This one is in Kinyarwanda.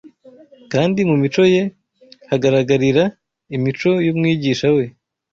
kandi mu mico ye hagaragariraga imico y’ Umwigisha we.